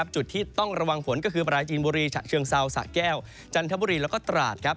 จุดที่ต้องระวังฝนก็คือปราจีนบุรีฉะเชิงเซาสะแก้วจันทบุรีแล้วก็ตราด